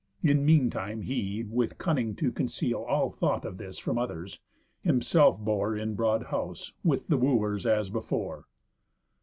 In mean time he, with cunning to conceal All thought of this from others, himself bore In broad house, with the Wooers, as before.